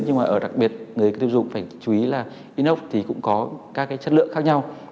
nhưng mà ở đặc biệt người tiêu dùng phải chú ý là inox thì cũng có các cái chất lượng khác nhau